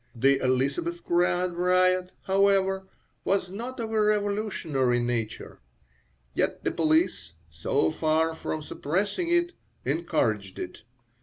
The Elisabethgrad riot, however, was not of a revolutionary nature. Yet the police, so far from suppressing it, encouraged it.